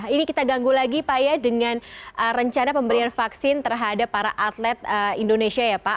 ini kita ganggu lagi pak ya dengan rencana pemberian vaksin terhadap para atlet indonesia ya pak